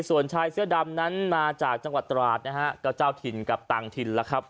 ส่วนชายเสื้อดำนั้นมาจากจังหวัดตราดนะฮะก็เจ้าถิ่นกับต่างถิ่นแล้วครับ